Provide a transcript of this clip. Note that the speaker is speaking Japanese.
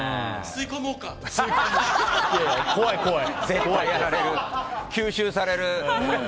吸収される！